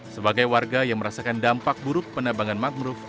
sebagai warga yang merasakan dampak buruk penambangan mangrove